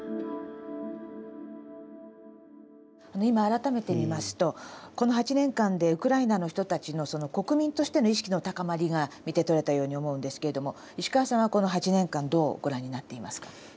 今改めて見ますとこの８年間でウクライナの人たちの国民としての意識の高まりが見て取れたように思うんですけれども石川さんはこの８年間どうご覧になっていますか？